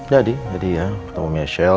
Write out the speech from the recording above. jadi jadi ya ketemu michelle